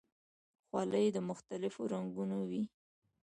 خولۍ د مختلفو رنګونو وي.